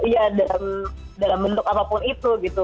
ya dalam bentuk apapun itu gitu